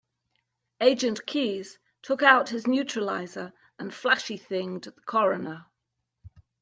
Agent Keys took out his neuralizer and flashy-thinged the coroner.